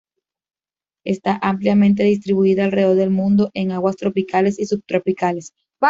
Está ampliamente distribuida alrededor del mundo, en aguas tropicales y subtropicales.